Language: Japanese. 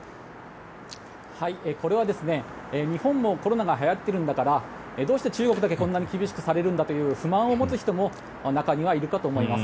これは日本もコロナがはやっているんだからどうして中国だけこんなに厳しくされるんだという不満を持つ人も中にはいるかと思います。